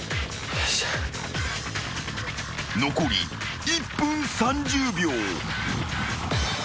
［残り１分３０秒］